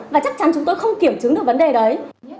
và chắc chắn chúng tôi không kiểm chứng được vấn đề đấy